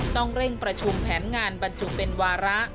ต้องเร่งประชุมแผนงานบรรจุเป็นวาระ